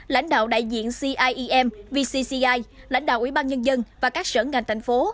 lãnh đạo đại diện ciem vcci lãnh đạo ủy ban nhân dân và các sở ngành thành phố